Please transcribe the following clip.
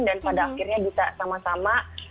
dan pada akhirnya bisa sama sama